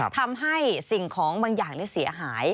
ทำให้สิ่งของบางอย่างเสียหาย